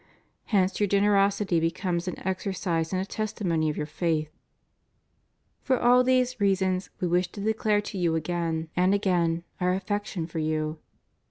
Hence your generosity becomes an exercise and a testimony of your faith. For all these reasons We wish to declare to you again 516 TO THE AMERICAN HIERARCHY. and again Our affection for you.